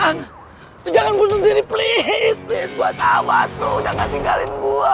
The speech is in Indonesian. ang jangan bunuh diri please please gua sama tuh jangan tinggalin gua